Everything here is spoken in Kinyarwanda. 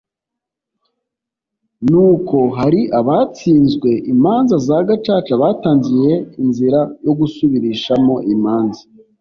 ni uko hari abatsinzwe imanza za gacaca batangiye inzira yo gusubirishamo imanza